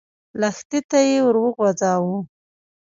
لښتي ته يې ور وغځاوه.